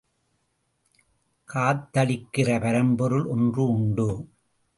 காத்தளிக்கிற பரம்பொருள் ஒன்று உண்டு.